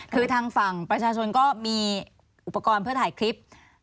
คือทางฝั่งประชาชนก็มีอุปกรณ์เพื่อถ่ายคลิป